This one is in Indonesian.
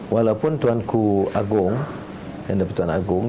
walaupun tuanku agung yang dipertuan agung